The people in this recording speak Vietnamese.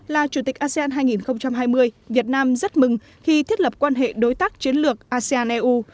là chủ tịch asean hai nghìn hai mươi việt nam rất mừng khi thiết lập quan hệ đối tác chiến lược asean eu